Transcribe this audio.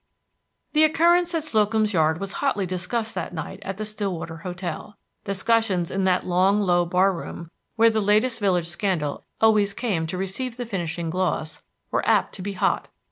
The occurrence at Slocum's Yard was hotly discussed that night at the Stillwater hotel. Discussions in that long, low bar room, where the latest village scandal always came to receive the finishing gloss, were apt to be hot.